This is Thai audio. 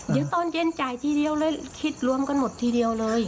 เดี๋ยวตอนเย็นจ่ายทีเดียวเลยคิดรวมกันหมดทีเดียวเลย